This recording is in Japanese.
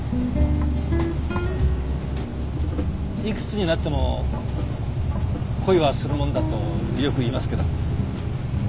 幾つになっても恋はするもんだとよく言いますけど。